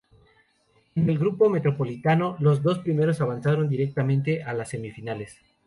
En el grupo Metropolitano, los dos primeros avanzaron directamente a las semifinales.